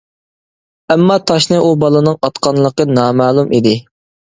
ئەمما تاشنى ئۇ بالىنىڭ ئاتقانلىقى نامەلۇم ئىدى.